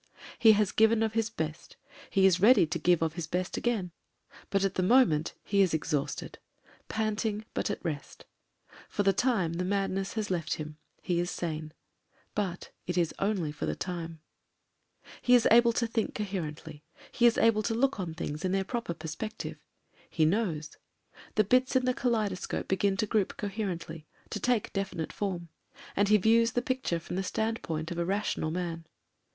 He has given of his best; he is ready to give of his best again; but at the moment he is exhausted; panting, but at rest For the time the madness has left him; he is sane. But it is only for the time. ...••••• He is able to think coherently; he is able to look on things in their proper perspective. He knows. The bits in the kaleidoscope begin to group coherently, to take definite form, and he views the picture from the standpoint of a rational man.